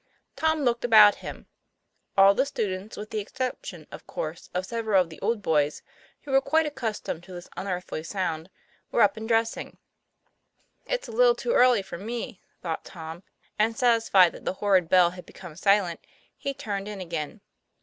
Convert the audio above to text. Tom looked about him; all the students, with the exception, of course, of 'several of the old boys, who were quite accustomed to this unearthly sound, were up and dressing. "It's a little too early for me," thought Tom; and, satisfied that the horrid bell had become silent, he turned in again.